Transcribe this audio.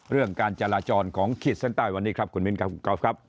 เรื่องการจราจรของขีดเส้นใต้วันนี้ครับคุณมิ้นครับคุณกอล์ฟครับ